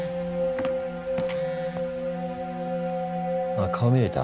あっ顔見れた？